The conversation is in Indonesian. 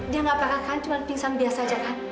dia ngapakan kan cuma pingsan biasa aja kan